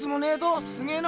すげぇな！